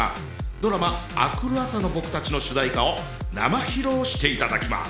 ドラマ「あくる朝の僕たち」の主題歌を生披露していただきます。